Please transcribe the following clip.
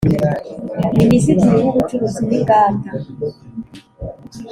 Minisitiri w Ubucuruzi n Inganda